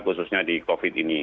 khususnya di covid ini